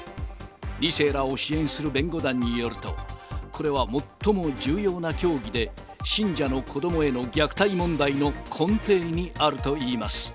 ２世らを支援する弁護団によると、これは最も重要な教義で、信者の子どもへの虐待問題の根底にあるといいます。